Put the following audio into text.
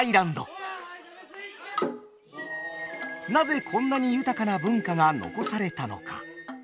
なぜこんなに豊かな文化が残されたのか？